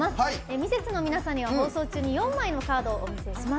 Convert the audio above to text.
ミセスの皆さんには放送中に４枚のカードをお見せします。